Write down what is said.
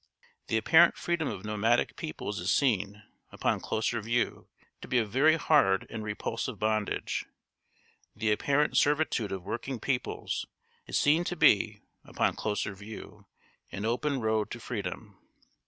The apparent freedom of nomadic peoples is seen, upon closer view, to be a very hard and repulsive bondage; the apparent servitude of working peoples is seen to be, upon closer view, an open road to freedom.